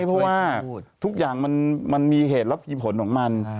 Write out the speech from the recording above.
เพราะว่าทุกอย่างมันมีเหตุรับมีผลของมัน